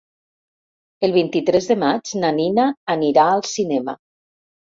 El vint-i-tres de maig na Nina anirà al cinema.